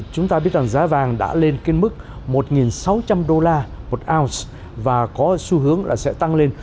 chúng ta biết rằng giá vàng đã lên mức một sáu trăm linh đô la một ounce và có xu hướng là sẽ tăng lên